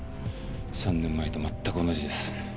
３年前と全く同じです。